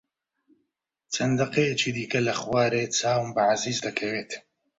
چەند دەقەیەکی دیکە لە خوارێ چاوم بە عەزیز دەکەوێت.